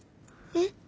えっ？